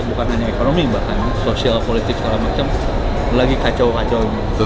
bukan hanya ekonomi bahkan sosial politik segala macam lagi kacau kacau